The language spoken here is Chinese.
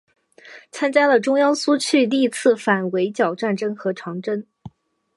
参加了中央苏区历次反围剿战争和长征。